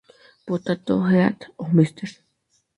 Potato Head o Mr.